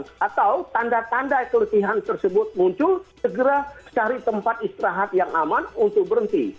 atau tanda tanda keletihan tersebut muncul segera cari tempat istirahat yang aman untuk berhenti